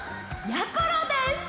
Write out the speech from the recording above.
やころです！